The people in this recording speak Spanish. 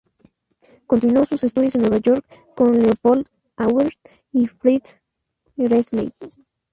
Continuó sus estudios en Nueva York con Leopold Auer y Fritz Kreisler.